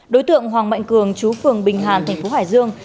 đối tượng hoàng mạnh cường chú phường bình hàn thành phố hải dương